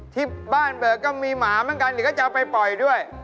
ที่บ้านเบิกก็มีหมาเหมือนกันเดี๋ยวจะเอาไปปล่อยด้วย